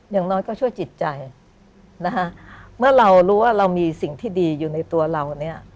อย่างน้อยก็ช่วยจิตใจนะฮะเมื่อเรารู้ว่าเรามีสิ่งที่ดีอยู่ในตัวเราเนี่ย